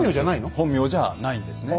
本名じゃないんですね。